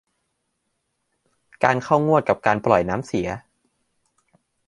การเข้างวดกับการปล่อยน้ำเสีย